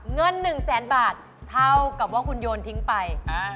เงิน๑แสนบาทเท่ากับว่าคุณโยนทิ้งไป